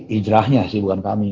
hijrahnya sih bukan kami